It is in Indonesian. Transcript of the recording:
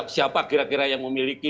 siapa kira kira yang memiliki